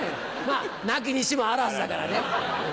無きにしもあらずだからね。